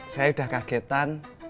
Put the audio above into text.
saya udah kagetan